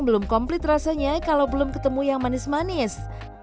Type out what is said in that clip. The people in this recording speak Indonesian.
belum komplit rasanya kalau belum ketemu yang manis manis